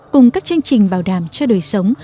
cùng các chương trình bảo đảm cho đời sống